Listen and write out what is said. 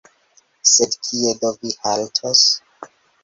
sed kie do vi haltos?